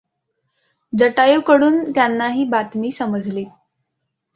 जटायूकडून त्यांना ही बातमी समजली.